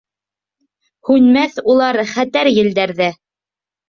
Һүнмәҫ улар хәтәр елдәрҙә...